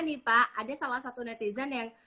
nih pak ada salah satu netizen yang